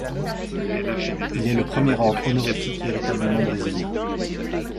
Il est le premier ordre honorifique véritablement brésilien.